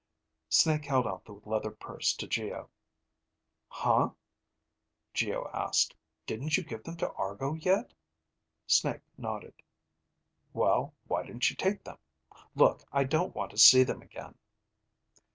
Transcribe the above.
Snake held out the leather purse to Geo. "Huh?" Geo asked. "Didn't you give them to Argo yet?" Snake nodded. "Well, why didn't she take them. Look, I don't want to see them again."